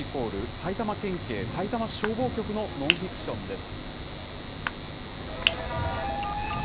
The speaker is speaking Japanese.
埼玉県警、さいたま市消防局のノンフィクションです。